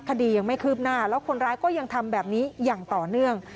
คดียังไม่คืบหน้าแล้วคนร้ายก็ยังทำแบบนี้อย่างต่อเนื่อง